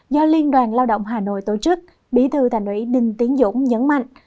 do liên đoàn lao động hà nội tổ chức bí thư thành ủy đinh tiến dũng nhấn mạnh